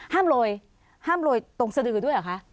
โรยห้ามโรยตรงสดือด้วยเหรอคะ